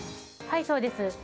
はいそうです。